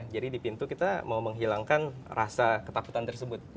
jadi di pintu kita mau menghilangkan rasa ketakutan tersebut